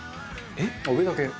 あっ上だけ？